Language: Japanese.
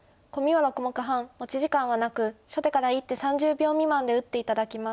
コミは６目半持ち時間はなく初手から１手３０秒未満で打って頂きます。